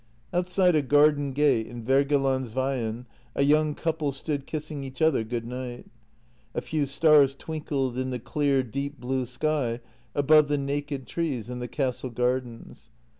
Outside a garden gate in Wergelandsveien a young couple stood kissing each other good night. A few stars twinkled in the clear deep blue sky above the naked trees in the Castle gardens.